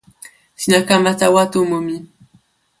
sina kama tawa tomo mi.